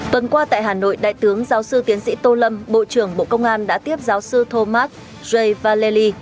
tuần qua tại hà nội đại tướng giáo sư tiến sĩ tô lâm bộ trưởng bộ công an đã tiếp giáo sư thomas j valey